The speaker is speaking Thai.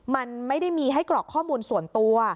มันไม่ได้มีให้กรอกข้อมูลส่วนตัว